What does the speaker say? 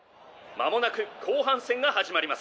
まもなく後半戦が始まります。